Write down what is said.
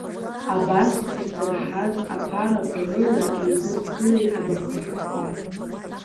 Абас исырҳаз аԥарақәа рыла еидыскылеит абарҭ ашәҟәқәа.